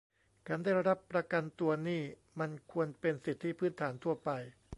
การได้รับประกันตัวนี่มันควรเป็นสิทธิพื้นฐานทั่วไป